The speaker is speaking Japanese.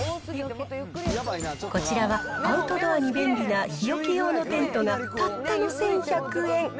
こちらは、アウトドアに便利な日よけ用のテントがたったの１１００円。